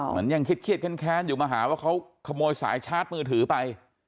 มันยังเครียดแค้นอยู่มาหาว่าเขาขโมยสายชาร์จมือถือไป